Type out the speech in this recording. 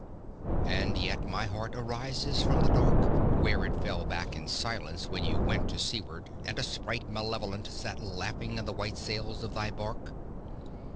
And yet, my heart arises from the dark, Where it fell back in silence when you went To seaward, and a sprite malevolent Sat laughing in the white sails of thy barque.